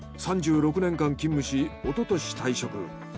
３６年間勤務しおととし退職。